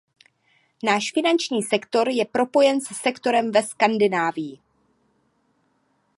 Náš finanční sektor je propojen se sektorem ve Skandinávii.